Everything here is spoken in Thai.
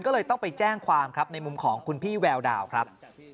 ก็เลยต้องไปแจ้งความครับในมุมของคุณพี่แววดาวครับ